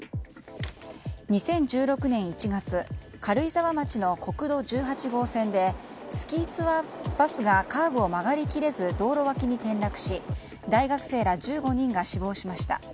２０１６年１月軽井沢町の国道１８号線でスキーツアーバスがカーブを曲がり切れず道路脇に転落し大学生ら１５人が死亡しました。